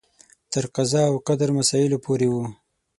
تر قضا او قدر مسایلو پورې و.